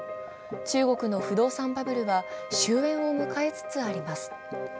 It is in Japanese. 中国の不動産バブルは終えんを迎えつつあります。